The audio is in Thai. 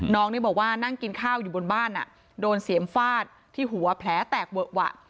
น้องนี่บอกว่านั่งกินข้าวอยู่บนบ้านโดนเสียมฟาดที่หัวแผลแตกเวอะวะ